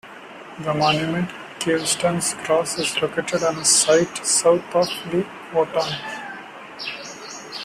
The monument "Gaveston's Cross" is located on a site south of Leek Wootton.